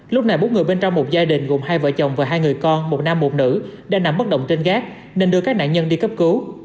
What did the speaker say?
lúc này bốn người bên trong một gia đình gồm hai vợ chồng và hai người con một nam một nữ đang nằm bất động trên gác nên đưa các nạn nhân đi cấp cứu